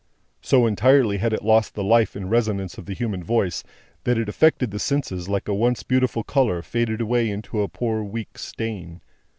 So entirely had it lost the life and resonance of the human voice, that it affected the senses like a once beautiful colour faded away into a poor weak stain.